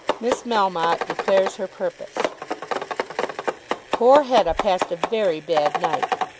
MISS MELMOTTE DECLARES HER PURPOSE. Poor Hetta passed a very bad night.